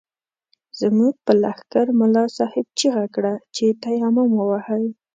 زموږ په لښکر ملا صاحب چيغه کړه چې تيمم ووهئ.